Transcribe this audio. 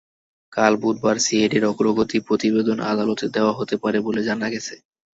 কাল বুধবার সিআইডির অগ্রগতি প্রতিবেদন আদালতে দেওয়া হতে পারে বলে জানা গেছে।